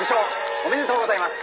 おめでとうございます。